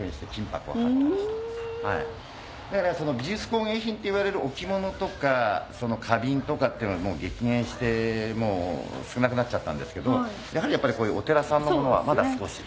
だから美術工芸品っていわれる置物とか花瓶とかっていうのは激減して少なくなっちゃったんですけどやはりこういうお寺さんのものはまだ少し。